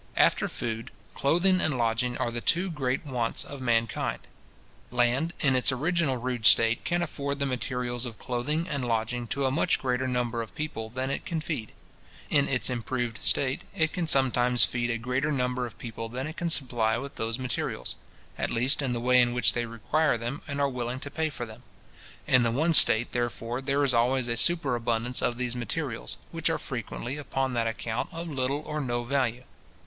After food, clothing and lodging are the two great wants of mankind. Land, in its original rude state, can afford the materials of clothing and lodging to a much greater number of people than it can feed. In its improved state, it can sometimes feed a greater number of people than it can supply with those materials; at least in the way in which they require them, and are willing to pay for them. In the one state, therefore, there is always a superabundance of these materials, which are frequently, upon that account, of little or no value.